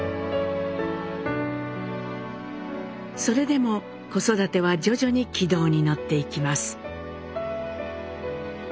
それでも子育ては徐々に軌道に乗っていきます。